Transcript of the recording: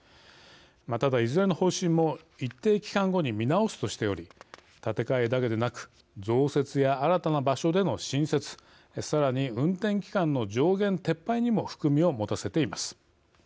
ただ、いずれの方針も一定期間後に見直すとしており建て替えだけでなく増設や新たな場所での新設さらに運転期間の上限撤廃にも含みをもたせています。